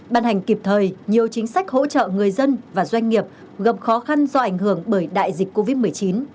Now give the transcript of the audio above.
ban hành kịp thời nhiều chính sách hỗ trợ người dân và doanh nghiệp gặp khó khăn do ảnh hưởng bởi đại dịch covid một mươi chín